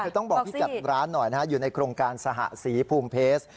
คือต้องบอกพี่กัดร้านหน่อยนะฮะอยู่ในโครงการสหสีภูมิเพศ